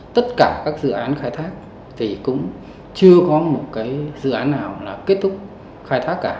tất cả các dự án khai thác thì cũng chưa có dự án nào kết thúc khai thác cả